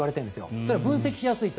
それは分析しやすいと。